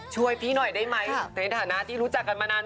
ช่วยพี่หน่อยได้ไหมในฐานะที่รู้จักกันมานาน